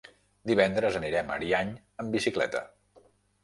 Divendres anirem a Ariany amb bicicleta.